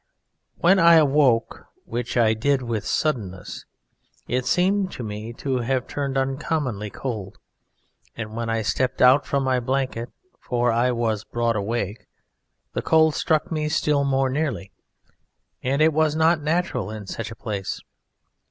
When I woke, which I did with suddenness, it seemed to me to have turned uncommonly cold, and when I stepped out from my blanket (for I was broad awake) the cold struck me still more nearly, and was not natural in such a place.